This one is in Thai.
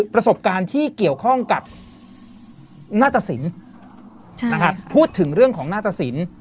ประสบการณ์ที่เกี่ยวข้องกับหน้าตะสินนะครับพูดถึงเรื่องของหน้าตะสิน